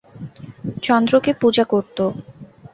চন্দ্রকে পূজা করত।